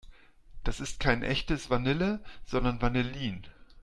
Das ist kein echtes Vanille, sondern Vanillin.